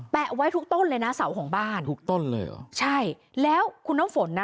ไว้ทุกต้นเลยนะเสาของบ้านทุกต้นเลยเหรอใช่แล้วคุณน้ำฝนนะ